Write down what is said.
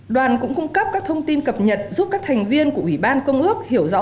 đoàn cũng cung cấp các thông tin cập nhật giúp các thành viên của ủy ban công ước hiểu rõ